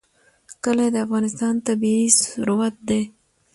کلي د افغانستان طبعي ثروت دی.